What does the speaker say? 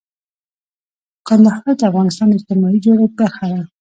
کندهار د افغانستان د اجتماعي جوړښت برخه ده.